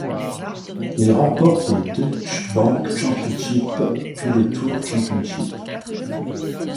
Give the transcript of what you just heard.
Il remporte le Deutsche Bank Championship puis le Tour Championship.